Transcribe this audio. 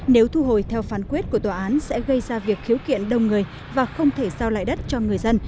nếu thu hồi theo phán quyết của tòa án sẽ gây ra việc khiếu kiện đông người và không thể giao lại đất cho người dân